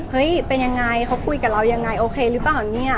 เห้ยเป็นยังไงเขาคุยกับเรายังไงโอเครี่ปะหรือนี่